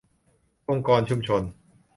องค์กรชุมชน